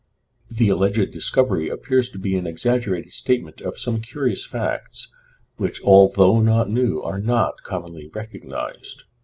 The alleged discovery appears to be an exaggerated statement of some curious facts, which, although not new, are not commonly recognized.